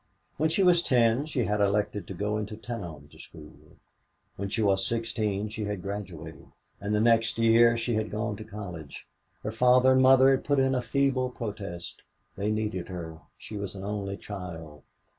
When she was ten she had elected to go into town to school. When she was sixteen she had graduated, and the next year she had gone to college. Her father and mother had put in a feeble protest. They needed her. She was an only child.